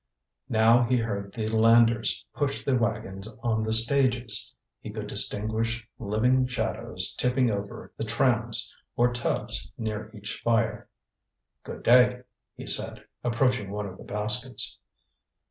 Now he heard the landers push the wagons on the stages. He could distinguish living shadows tipping over the trams or tubs near each fire. "Good day," he said, approaching one of the baskets.